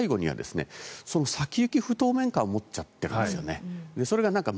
この背後には先行き不透明感を持っちゃってるんです。